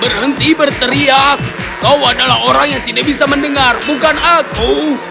berhenti berteriak kau adalah orang yang tidak bisa mendengar bukan aku